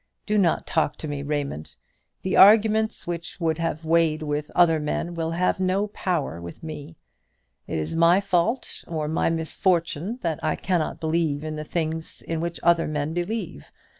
Do not talk to me, Raymond. The arguments which would have weight with other men, have no power with me. It is my fault or my misfortune that I cannot believe in the things in which other men believe.